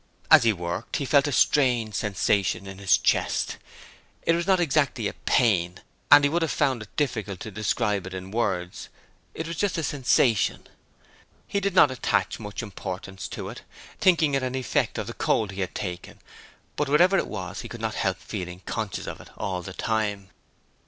As he worked, he felt a strange sensation in his chest: it was not exactly a pain, and he would have found it difficult to describe it in words it was just a sensation. He did not attach much importance to it, thinking it an effect of the cold he had taken, but whatever it was he could not help feeling conscious of it all the time.